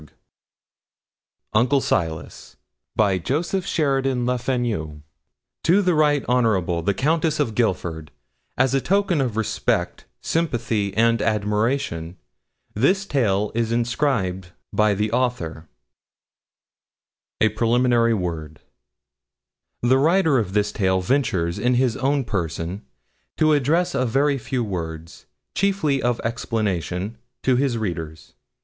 ] UNCLE SILAS A Tale of Bartram Haugh By J. S. LeFanu 1899 TO THE RIGHT HON. THE COUNTESS OF GIFFORD, AS A TOKEN OF RESPECT, SYMPATHY, AND ADMIRATION This Tale IS INSCRIBED BY THE AUTHOR A PRELIMINARY WORD The writer of this Tale ventures, in his own person, to address a very few words, chiefly of explanation, to his readers.